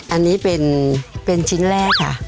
อันนี้เป็นชิ้นแรกค่ะ